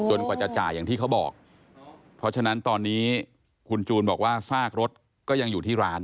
กว่าจะจ่ายอย่างที่เขาบอกเพราะฉะนั้นตอนนี้คุณจูนบอกว่าซากรถก็ยังอยู่ที่ร้าน